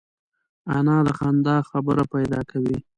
انا د خندا خبره پیدا کوي